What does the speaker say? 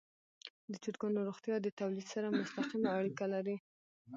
د چرګانو روغتیا د تولید سره مستقیمه اړیکه لري.